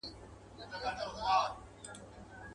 ووایه نسیمه نن سبا ارغوان څه ویل..